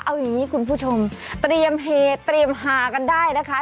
เอาอย่างนี้คุณผู้ชมเตรียมเฮเตรียมหากันได้นะคะ